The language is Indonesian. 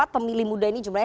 pemilih muda ini jumlahnya